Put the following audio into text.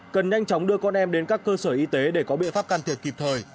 cần nhanh chóng đưa con em đến các cơ sở y tế để có biện pháp can thiệp kịp thời